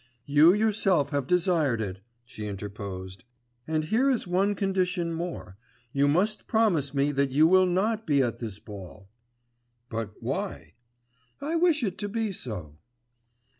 'You yourself have desired it,' she interposed. 'And here is one condition more; you must promise me that you will not be at this ball.' 'But why?' 'I wish it to be so.